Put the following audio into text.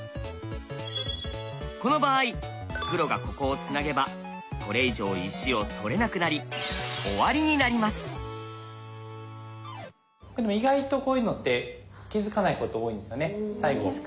この場合黒がここをつなげばこれ以上石を取れなくなり意外とこういうのって気付かないこと多いんですよね。